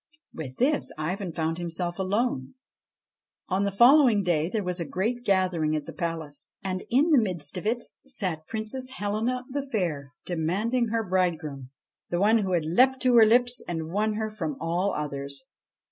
With this Ivan found himself alone. On the following day there was a great gathering at the palace, and, in the midst of it, sat Princess Helena the Fair demanding her bridegroom the one who had leapt to her lips and won her from all others.